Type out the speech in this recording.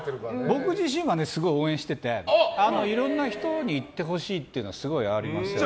僕自身はすごい応援してていろんな人に行ってほしいっていうのはすごいありますね。